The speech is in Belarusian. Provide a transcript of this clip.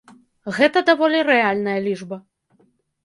Гэта даволі рэальная лічба.